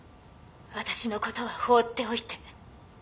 私のことは放っておいて。